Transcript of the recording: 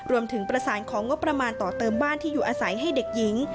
รวมถึงประสานของงบประมาณต่อเติมบ้านที่อยู่อาศัยให้เด็กหญิง